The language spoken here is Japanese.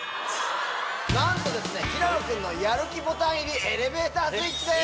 なんと平野君のやる気ボタン入りエレベータースイッチです。